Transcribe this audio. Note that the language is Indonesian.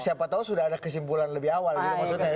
siapa tahu sudah ada kesimpulan lebih awal gitu maksudnya ya